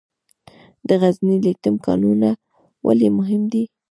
د غزني لیتیم کانونه ولې مهم دي؟